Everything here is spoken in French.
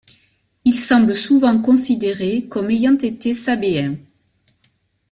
Ils semblent souvent considérés comme ayant été Sabéens.